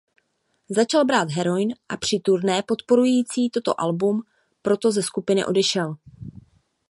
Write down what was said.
Začal brát heroin a při turné podporující toto album proto ze skupiny odešel.